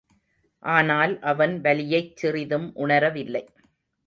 ஆனால் அவன் வலியைச் சிறிதும் உணரவில்லை.